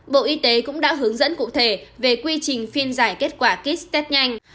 bộ y tế cũng đã hướng dẫn cụ thể về quy trình phiên giải kết quả kit test nhanh